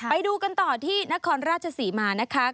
ไปดูกันต่อที่นครราชศรีมานะคะ